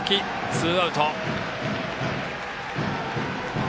ツーアウト。